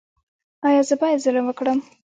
ایا زه باید ظلم وکړم؟